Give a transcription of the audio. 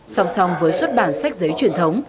song song với xuất bản sách giấy chuyển